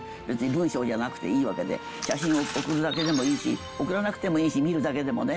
文章じゃなくていいわけで、写真を送るだけでもいいし、送らなくてもいいし、見るだけでもね。